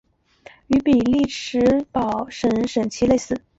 与比利时卢森堡省省旗类似。